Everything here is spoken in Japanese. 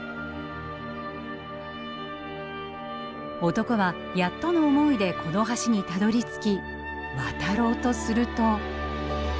男はやっとの思いでこの橋にたどりつき渡ろうとすると。